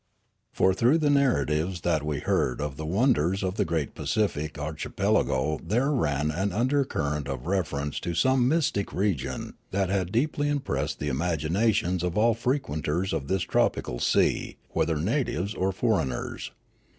For through the narratives that we heard of the won ders of the great Pacific archipelago there ran an undercurrent of reference to some mystic region that had deeply impressed the imaginations of all frequenters of this tropical sea, whether natives or foreigners.